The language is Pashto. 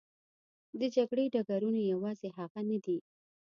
د جګړې ډګرونه یوازې هغه نه دي.